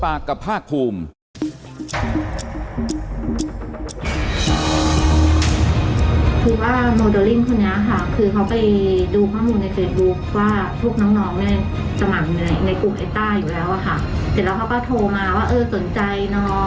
อันดับสุดท้าย